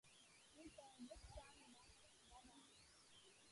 We'd better nip down to the matron right off.